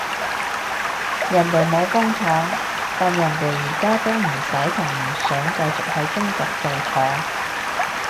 人哋冇工廠，但人哋而家都唔使同唔想繼續喺中國做廠